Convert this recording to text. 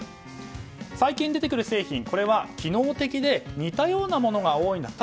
最近出てくる製品は機能的で似たようなものが多いと。